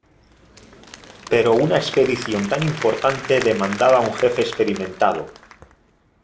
Pero una expedición tan importante demandaba un jefe experimentado.